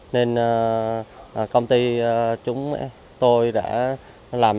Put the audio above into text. nên công ty chúng tôi đã làm